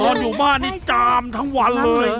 อยู่บ้านนี่จามทั้งวันเลย